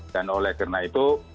dan oleh karena itu